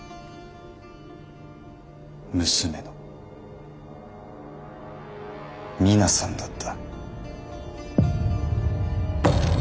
娘の己奈さんだった。